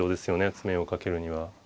詰めろをかけるには。